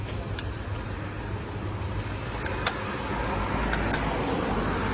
สวัสดีครับสวัสดีครับ